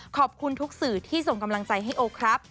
ขอบคุณทุกสื่อที่ส่งกำลังใจให้โอครับ